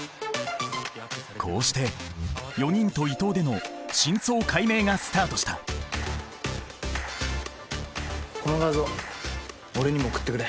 こうして４人と伊藤での真相解明がスタートしたこの画像俺にも送ってくれ。